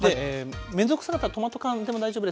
面倒くさかったらトマト缶でも大丈夫です。